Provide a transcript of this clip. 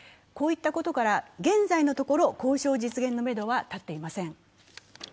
こういったことから現在のところ交渉実現のめどは立っていません。